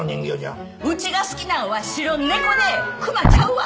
うちが好きなんは白猫で熊ちゃうわ！